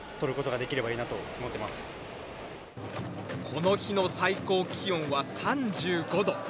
この日の最高気温は３５度。